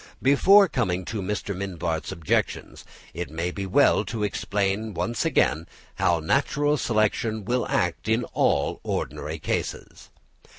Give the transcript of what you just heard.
Before coming to Mr. Mivart's objections, it may be well to explain once again how natural selection will act in all ordinary cases.